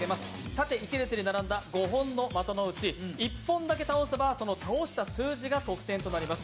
縦一列に並んだ５本の的のうち１本だけ倒せばその倒した数字が得点となります。